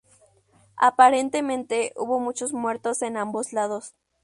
Aparentemente hubo muchos muertos en ambos lados.